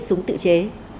súng tự chế